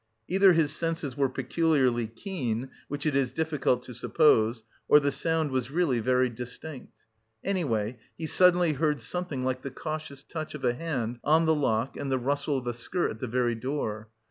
Either his senses were peculiarly keen (which it is difficult to suppose), or the sound was really very distinct. Anyway, he suddenly heard something like the cautious touch of a hand on the lock and the rustle of a skirt at the very door.